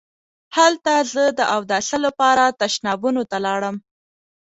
هلته زه د اوداسه لپاره تشنابونو ته لاړم.